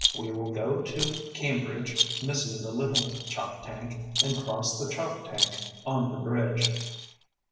We will go to Cambridge, missing the Little Choptank, and cross the Choptank on the bridge.